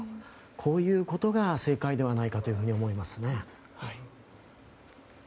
こういうことが正解ではないかと思いますね。